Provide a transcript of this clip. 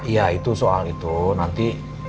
ya itu soal itu nanti